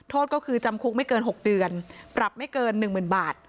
โทษก็คือจำคุกไม่เกิน๖เดือนปรับไม่เกิน๑๐๐๐บาท